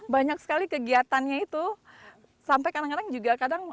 banyak sekali kegiatannya itu sampai kadang kadang juga kadang